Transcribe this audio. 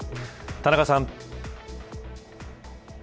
田中さん。